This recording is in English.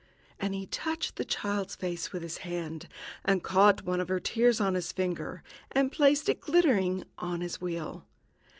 And he touched the child's face with his hand, and caught one of her tears on his finger, and placed it, glittering, on his wheel.